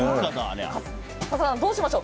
笠原さん、どうしましょう。